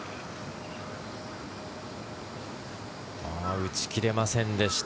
打ち切れませんでした。